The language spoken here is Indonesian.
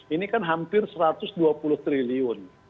ini kan hampir satu ratus dua puluh triliun